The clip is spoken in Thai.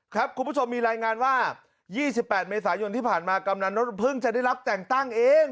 คุณผู้ชมมีรายงานว่า๒๘เมษายนที่ผ่านมากำนันนกเพิ่งจะได้รับแต่งตั้งเอง